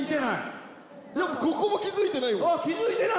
ここも気付いてない。